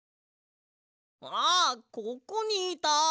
あここにいた！